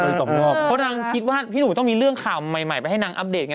เพราะนางคิดว่าพี่หนุ่มต้องมีเรื่องข่าวใหม่ไปให้นางอัปเดตไง